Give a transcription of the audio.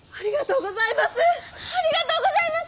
ありがとうございます！